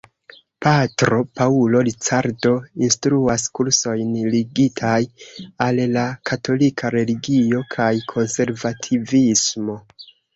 Patro Paulo Ricardo instruas kursojn ligitaj al la katolika religio kaj konservativismo.